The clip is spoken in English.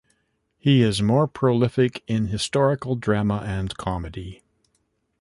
He is more prolific in historical drama and comedy.